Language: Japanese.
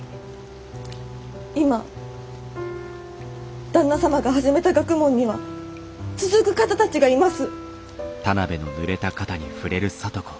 今旦那様が始めた学問には続く方たちがいます。